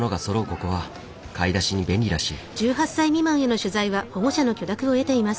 ここは買い出しに便利らしい。